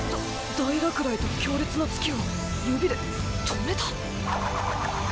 大落雷と強烈な突きを指で止めた？